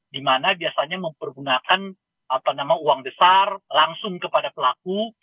dimana biasanya mempergunakan uang besar langsung kepada pelaku